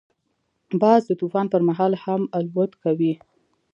باز د طوفان پر مهال هم الوت کوي